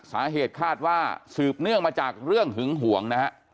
สาเหตุคาดว่าสืบเนื่องมาจากเรื่องหึงห่วงนะฮะ